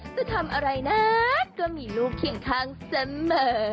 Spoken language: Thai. จะทำอะไรนั้นก็มีลูกเคียงข้างเสมอ